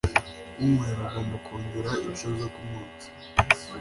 umurera agomba kongera incuro zo kumwonsa